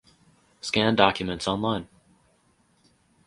Scan documents online